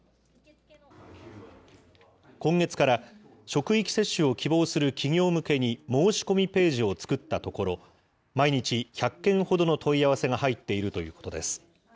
今月から職域接種を希望する企業向けに、申し込みページを作ったところ、毎日１００件ほどの問い合わせが入っているということです。